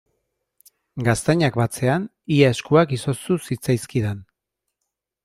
Gaztainak batzean ia eskuak izoztu zitzaizkidan.